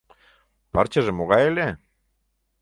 Пырчыже могай ыле?